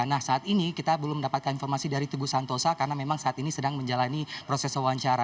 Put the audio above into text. nah saat ini kita belum mendapatkan informasi dari teguh santosa karena memang saat ini sedang menjalani proses wawancara